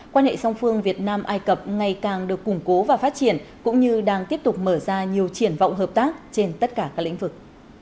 quan hệ song phương việt nam ai cập ngày càng được củng cố và phát triển cũng như đang tiếp tục mở ra nhiều triển vọng hợp tác trên tất cả các lĩnh vực